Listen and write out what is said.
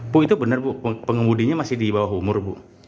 bu itu benar bu pengemudinya masih di bawah umur bu